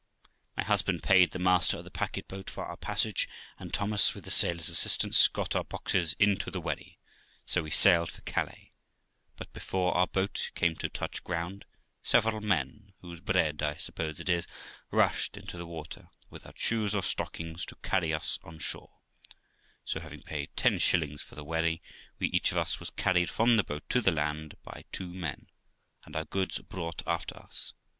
My husband paid the master of the packet boat for our passage, and Thomas, with the sailors' assistance, got our boxes into the wherry, so we sailed for Calais; but before our boat came to touch ground, several men, whose bread I suppose it is, rushed into the water, without shoes or stockings, to carry us on shore ; so, having paid ten shillings for the wherry, we each of us was carried from the boat to the land by two men, and our goods brought after us?